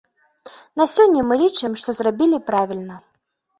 На сёння мы лічым, што зрабілі правільна.